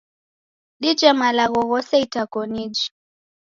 Dije malagho ghose itakoniji.